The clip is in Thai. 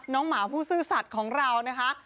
หมาผู้ซื่อสัตว์ของเรานะคะ